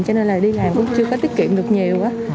cho nên là đi làm cũng chưa có tiết kiệm được nhiều á